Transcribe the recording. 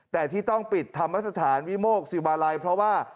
แต่ที่ต้องปิดธรรมสถานวิโมกศิวาลัยเพราะว่า